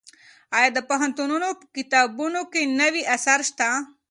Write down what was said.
ایا د پوهنتونونو په کتابتونونو کې نوي اثار شته؟